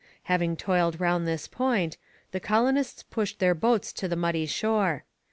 Having toiled round this point, the colonists pushed their boats to the muddy shore.